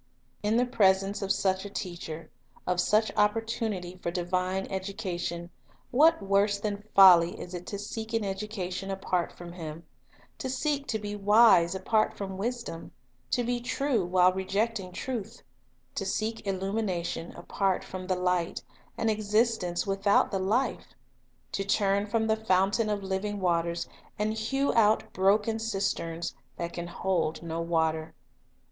In the presence of such a Teacher, of such oppor tunity for divine education, what worse than folly is it to seek an education apart from Him, — to seek to be wise apart from Wisdom; to be true while rejecting Truth; to seek illumination apart from the Light, and existence without the Life ; to turn from the Fountain of living waters, and hew out broken cisterns, that can hold no water.